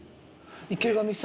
池上さん